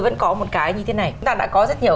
vẫn có một cái như thế này chúng ta đã có rất nhiều